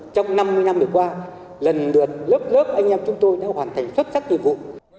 trong năm mươi năm vừa qua lần lượt lớp lớp anh em chúng tôi đã hoàn thành xuất sắc nhiệm vụ